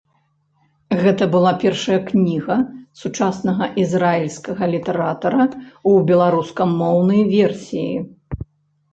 Гэта была першая кніга сучаснага ізраільскага літаратара ў беларускамоўнай версіі.